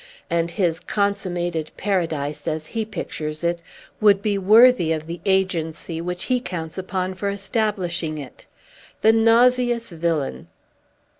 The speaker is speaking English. And his consummated Paradise, as he pictures it, would be worthy of the agency which he counts upon for establishing it. The nauseous villain!"